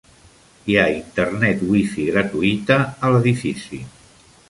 Hi ha internet Wi-Fi gratuïta a l'edifici.